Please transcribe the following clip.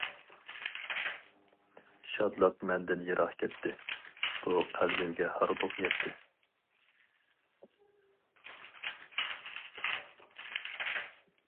شادلىق مەندىن يىراق كەتتى، بۇ قەلبىمگە ھاردۇق يەتتى.